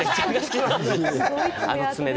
あの爪で。